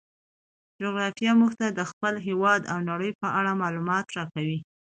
جغرافیه موږ ته د خپل هیواد او نړۍ په اړه معلومات راکوي.